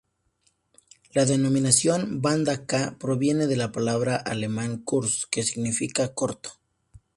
La denominación "Banda K" proviene de la palabra alemana "kurz" que significa "corto".